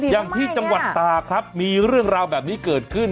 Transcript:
อย่างที่จังหวัดตากครับมีเรื่องราวแบบนี้เกิดขึ้น